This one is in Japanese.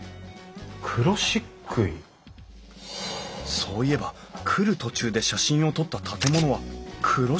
そういえば来る途中で写真を撮った建物は黒漆喰だったぞ！